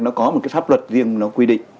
nó có một pháp luật riêng quy định